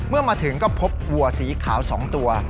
เมื่อมาถึงก็พบวัวสีขาว๒ตัว